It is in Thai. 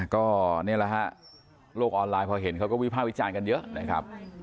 ก็นี่แหละฮะโลกออนไลน์พอเห็นเขาก็วิภาควิจารณ์กันเยอะนะครับ